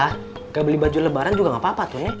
tidak beli baju lebaran juga nggak apa apa tuh ya